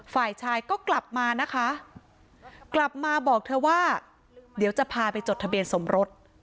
ฝ่ายชายก็กลับมานะคะกลับมาบอกเธอว่าเดี๋ยวจะพาไปจดทะเบียนสมรส